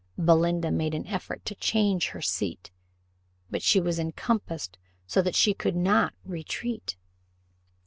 Belinda made an effort to change her seat, but she was encompassed so that she could not retreat.